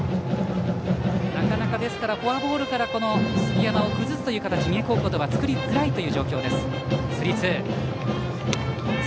なかなかフォアボールから杉山を崩すという形が三重高校としては作りづらいという状況です。